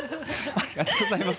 ありがとうございます。